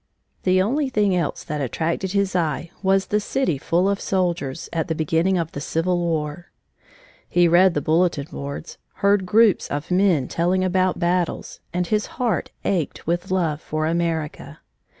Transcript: The only thing else that attracted his eye was the city full of soldiers, at the beginning of the Civil War. He read the bulletin boards, heard groups of men telling about battles, and his heart ached with love for America.